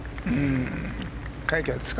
快挙ですか？